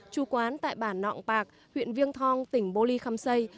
tru quán tại bản nọng pạc huyện viêng thong tỉnh bô ly khăm sây